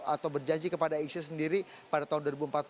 atau berjanji kepada isis sendiri pada tahun dua ribu empat belas